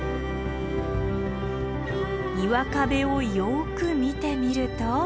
岩壁をよく見てみると。